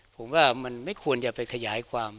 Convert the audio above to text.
ผมว่ามันไม่ควรจะไปขยายความ